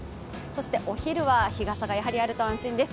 お昼は日傘がやはりあると安心です。